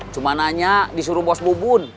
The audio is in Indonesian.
cuma nanya disuruh bos bu bun